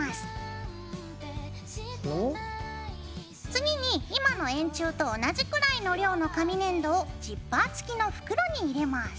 次に今の円柱と同じくらいの量の紙粘土をジッパー付きの袋に入れます。